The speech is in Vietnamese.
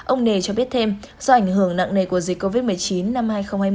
ông nề cho biết thêm do ảnh hưởng nặng nề của dịch covid một mươi chín năm hai nghìn hai mươi